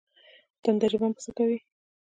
تنده ژبه څه کوي؟